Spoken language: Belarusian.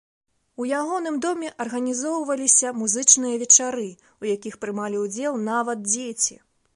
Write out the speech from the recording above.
У ягоным доме арганізоўваліся музычныя вечары, у якіх прымалі ўдзел нават дзеці.